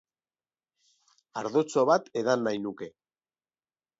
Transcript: Ardotxo bat edan nahi nuke.